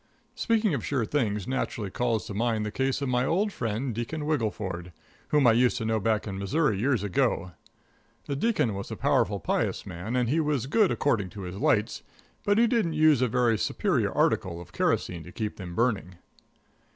Speaking of sure things naturally calls to mind the case of my old friend Deacon Wiggleford, whom I used to know back in Missouri years ago. The Deacon was a powerful pious man, and he was good according to his lights, but he didn't use a very superior article of kerosene to keep them burning.